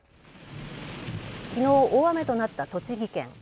きのう大雨となった栃木県。